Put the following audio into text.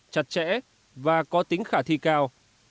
chặt chẽ và có tính khả thi cao